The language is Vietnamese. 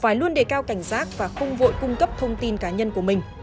phải luôn đề cao cảnh giác và không vội cung cấp thông tin cá nhân của mình